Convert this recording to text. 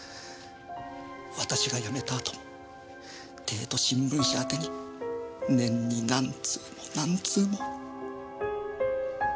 私が辞めた後も帝都新聞社宛てに年に何通も何通も。